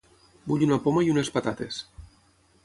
Vull una poma i unes patates.